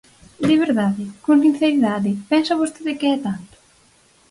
¿De verdade, con sinceridade, pensa vostede que é tanto?